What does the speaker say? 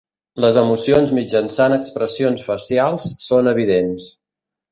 Les emocions mitjançant expressions facials són evidents.